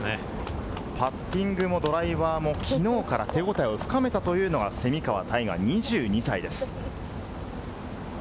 パッティングもドライバーも、きのうから手応えを深めたというのが蝉川泰果、２２歳です。